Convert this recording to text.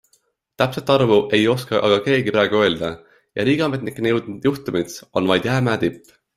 Täpset arvu ei oska aga keegi praegu öelda ja riigiametnikeni jõudnud juhtumid on vaid jäämäe tipp.